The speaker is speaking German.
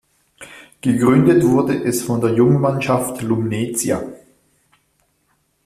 Gegründet wurde es von der "Jungmannschaft Lumnezia".